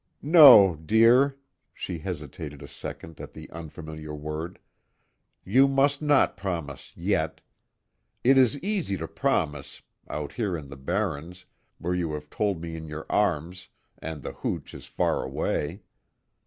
"No dear," she hesitated a second at the unfamiliar word, "You must not promise yet. It is easy to promise, out here in the barrens, where you have me in your arms, and the hooch is far away.